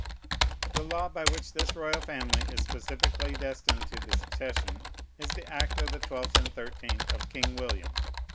The law by which this royal family is specifically destined to the succession is the act of the 12th and 13th of King William.